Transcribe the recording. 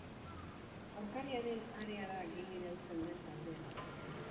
Aurkariaren areara gehien heltzen den taldea da.